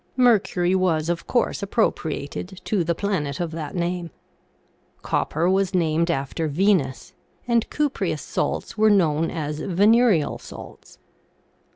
Mercury was, of course, appropriated to the planet of that name. Copper was named after Venus, and cupreous salts were known as venereal salts.